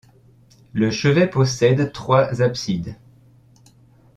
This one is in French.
Le chevet possède trois absides.